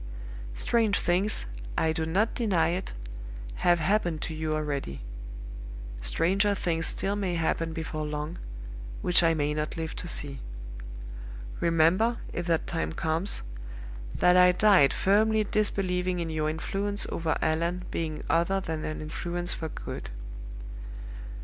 Strange things, I do not deny it, have happened to you already. Stranger things still may happen before long, which I may not live to see. Remember, if that time comes, that I died firmly disbelieving in your influence over Allan being other than an influence for good.